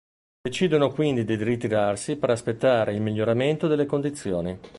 Decidono quindi di ritirarsi per aspettare il miglioramento delle condizioni.